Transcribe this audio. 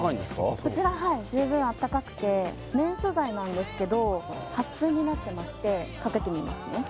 こちらはい十分あったかくて綿素材なんですけど撥水になってましてかけてみますね